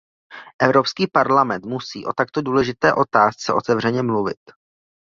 Evropský parlament musí o takto důležité otázce otevřeně mluvit.